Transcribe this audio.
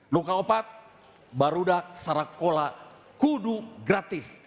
nukah opat barudak sarakola kudu gratis